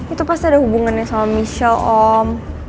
itu pasti ada hubungannya sama michel om